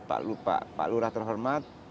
pak lurah terhormat